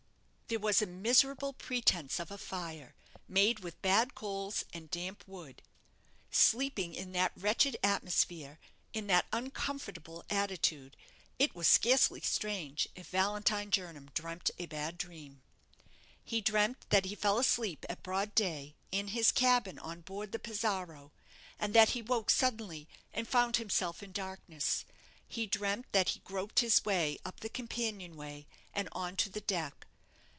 There was a miserable pretence of a fire, made with bad coals and damp wood. Sleeping in that wretched atmosphere, in that uncomfortable attitude, it was scarcely strange if Valentine Jernam dreamt a bad dream. He dreamt that he fell asleep at broad day in his cabin on board the 'Pizarro', and that he woke suddenly and found himself in darkness. He dreamt that he groped his way up the companion way, and on to the deck.